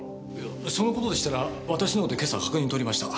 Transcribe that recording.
その事でしたら私のほうで今朝確認とりました。